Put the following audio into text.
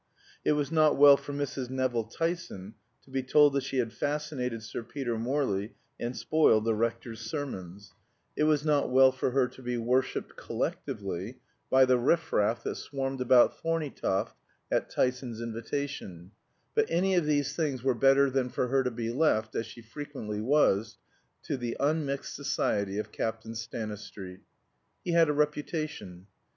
It was not well for Mrs. Nevill Tyson to be told that she had fascinated Sir Peter Morley and spoiled the rector's sermons; it was not well for her to be worshipped (collectively) by the riff raff that swarmed about Thorneytoft at Tyson's invitation; but any of these things were better than for her to be left, as she frequently was, to the unmixed society of Captain Stanistreet. He had a reputation.